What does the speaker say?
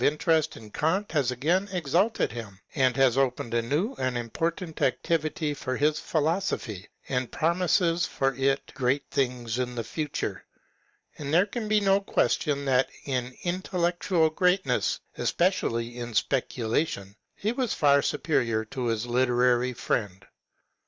interest in Eant has again exalted him, and has opened a new and important activity for his philosophy, and promises for it great things in the future ; and there can be no question that in intellectual greatness, especially in speculation, he was far superior to his literary friend.